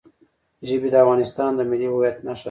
ژبې د افغانستان د ملي هویت نښه ده.